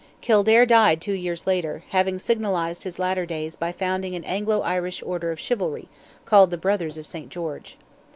Kildare died two years later, having signalized his latter days by founding an Anglo Irish order of chivalry, called "the Brothers of St. George."